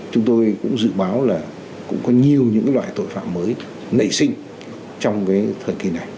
chúng tôi cũng dự báo là cũng có nhiều những loại tội phạm mới nảy sinh trong thời kỳ này